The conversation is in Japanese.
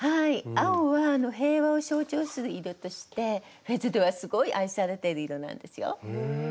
青は平和を象徴する色としてフェズではすごい愛されてる色なんですよ。へえ。